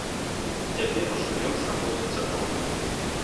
Цяпер ужо ён знаходзіцца дома.